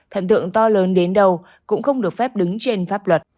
thần tượng to lớn đến đâu cũng không được phép đứng trên pháp luật